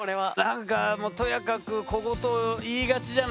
なんかとやかく小言言いがちじゃない。